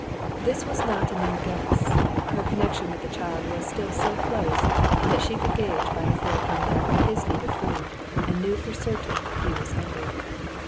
This was not a mere guess; her connection with the child was still so close, that she could gauge by the flow of her milk his need of food, and knew for certain he was hungry.